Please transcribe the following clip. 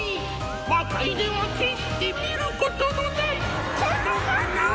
魔界では決して見ることのないこの花を！